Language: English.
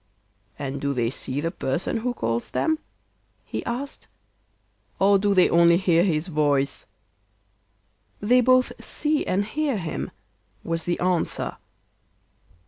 'And do they see the person who calls them,' he asked, 'or do they only hear his voice?' 'They both see and hear him,' was the answer.